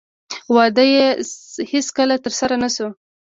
واده یې هېڅکله ترسره نه شو